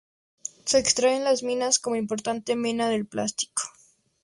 Se extrae en las minas como importante mena del platino.